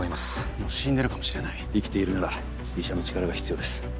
もう死んでるかもしれない生きているなら医者の力が必要です